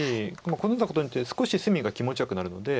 コスんだことによって少し隅が気持ちよくなるので。